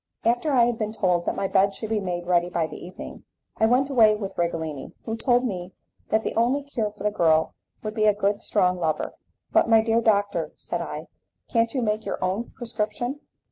After I had been told that my bed should be made ready by the evening, I went away with Righelini, who told me that the only cure for the girl would be a good strong lover. "But my dear doctor," said I, "can't you make your own prescription?"